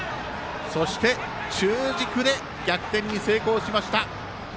そして中軸で逆転に成功しました。